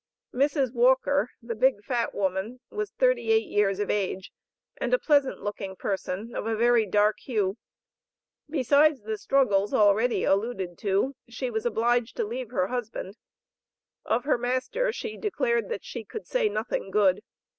Mrs. Walker, the big fat woman, was thirty eight years of age, and a pleasant looking person, of a very dark hue. Besides the struggles already alluded to, she was obliged to leave her husband. Of her master she declared that she could "say nothing good."